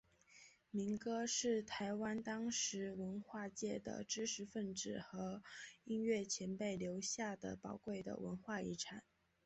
民歌是台湾当时文化界的知识份子和音乐前辈留下的宝贵的文化遗产。